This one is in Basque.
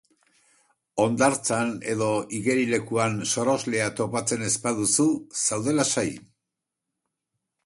Hondartzan edo igerilekuan soroslea topatzen ez baduzu, zaude lasai!